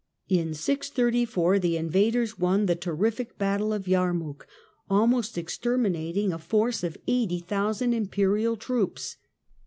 In 634 the invaders won the terrific battle of Yerrnuk, almost exterminating a force of eighty thousand Imperial troops.